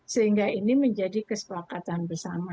sehingga ini menjadi kesepakatan bersama